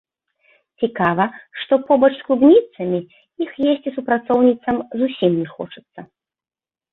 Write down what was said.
Цікава, што побач з клубніцамі іх есці супрацоўніцам зусім не хочацца.